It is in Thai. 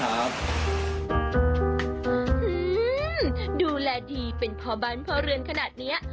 หื้มดูแลดีเป็นเพาะบ้านเพาะเรือนขนาดเนี่ย